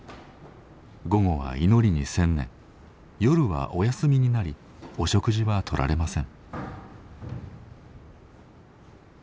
午後は祈りに専念夜はお休みになりお食事はとられません。